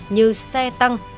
như xe tăng